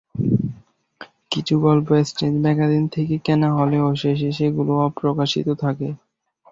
কিছু গল্প strange magazine থেকে কেনা হলেও শেষে সেগুলো অপ্রকাশিত থাকে।